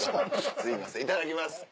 すいませんいただきます。